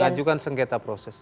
mengajukan sengketa proses